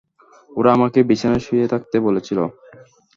ওরা আমাকে বিছানায় শুয়ে থাকতে বলেছিল।